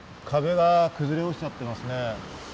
壁が崩れ落ちちゃっていますね。